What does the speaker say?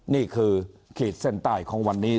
นี่คือขีดเส้นใต้ของวันนี้